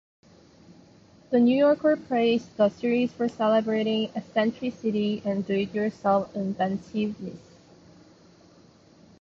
"The New Yorker" praised the series for "celebrating eccentricity and do-it-yourself inventiveness".